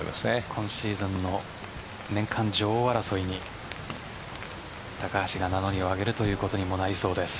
今シーズンの年間女王争いに高橋が名乗りを上げるということにもなりそうです。